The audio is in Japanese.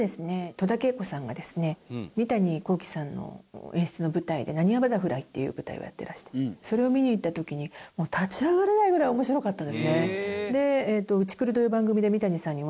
戸田恵子さんがですね三谷幸喜さんの演出の舞台で『なにわバタフライ』っていう舞台をやってらしてそれを見に行った時に。っていう事を言いましたら。